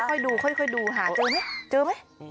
ค่อยดูดูหาเจอไหม